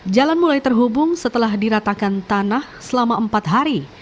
jalan mulai terhubung setelah diratakan tanah selama empat hari